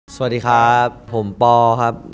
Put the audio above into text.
สวัสดีครับผมปอครับ